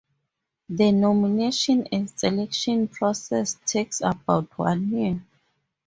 The nomination and selection process takes about one year.